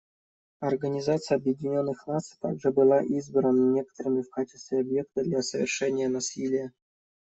Организация Объединенных Наций также была избрана некоторыми в качестве объекта для совершения насилия.